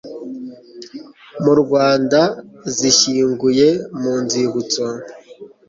mu rwanda zishyinguye mu nzibutso